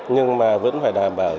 nhưng mà vẫn phải đảm bảo